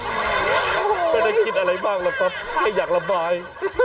ไม่ได้คิดอะไรบ้างแล้วครับไม่อยากระบาย